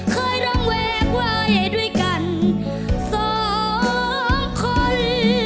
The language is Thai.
เคยร้องแวกไว้ด้วยกันสองคน